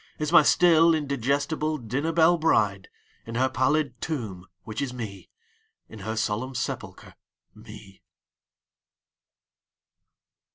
Is n^y still indigestible dinner belle bride, In her pallid tomb, which is Me, In her solemn sepulcher, Me.